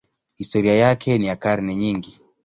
Historia yake ni ya karne nyingi.